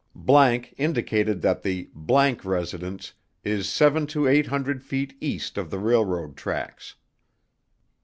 ____ INDICATED THAT THE ____ RESIDENCE IS SEVEN TO EIGHT HUNDRED FEET EAST OF THE RAILROAD TRACKS.